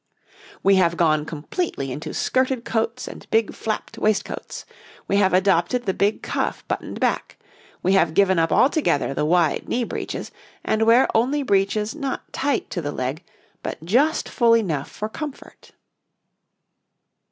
We have gone completely into skirted coats and big flapped waistcoats; we have adopted the big cuff buttoned back; we have given up altogether the wide knee breeches, and wear only breeches not tight to the leg, but just full enough for comfort.